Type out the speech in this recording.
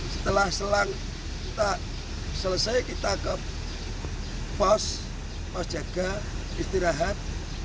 setelah selang kita selesai kita ke pos pos jaga istirahat